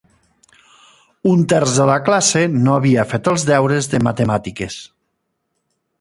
Un terç de la classe no havia fet els deures de matemàtiques.